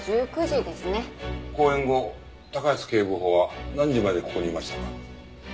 公演後高安警部補は何時までここにいましたか？